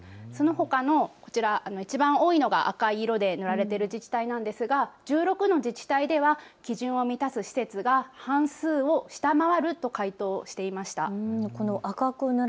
そのほかのこちらいちばん多いのが赤色で塗られている自治体なんですが１６の自治体では基準を満たす施設が半数を下回ると回答していました。